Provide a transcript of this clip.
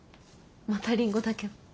またリンゴだけど。